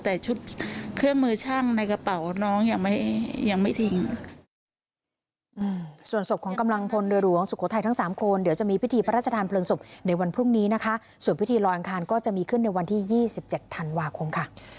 แต่ชุดเครื่องมือช่างในกระเป๋าน้องยังไม่ทิ้ง